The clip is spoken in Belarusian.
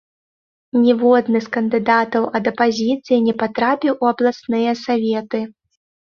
Ніводны з кандыдатаў ад апазіцыі не патрапіў у абласныя саветы.